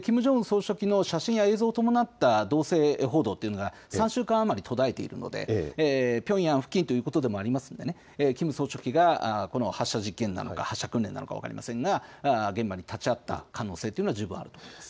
総書記の写真や映像を伴った動静報道というのは３週間余り途絶えているのでピョンヤン付近ということでもありますのでキム総書記が発射実験なのか発射訓練なのか分かりませんが現場に立ち会った可能性は十分あると思います。